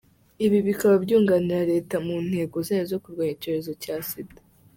Ibi bikaba byunganira Leta mu ntego zayo zo kurwanya icyorezo cya sida».